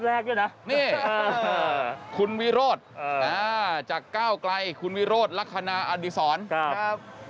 แรกด้วยนะนี่คุณวิโรธจากก้าวไกลคุณวิโรธลักษณะอดีศรครับ